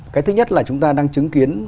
cái thứ nhất là chúng ta đang chứng kiến